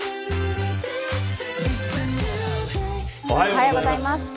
おはようございます。